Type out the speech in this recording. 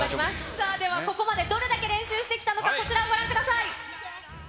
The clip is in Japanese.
さあここまで、どれだけ練習してきたのか、こちらをご覧ください。